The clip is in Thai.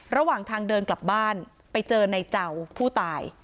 ระหว่างทางเดินกลับบ้านไปเจอในเจ้าผู้ตาย